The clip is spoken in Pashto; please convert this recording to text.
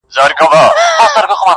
• شیرني نه ده دا زهر دي پلارجانه..